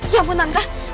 ya ampun tante